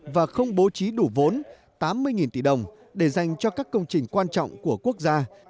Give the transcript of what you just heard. và không bố trí đủ vốn tám mươi tỷ đồng để dành cho các công trình quan trọng của quốc gia